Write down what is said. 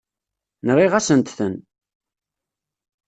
Nɣiɣ-asent-ten.